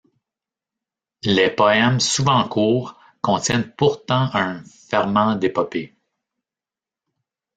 Les poèmes, souvent courts, contiennent pourtant un ferment d'épopée.